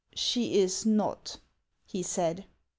" She is not," he said.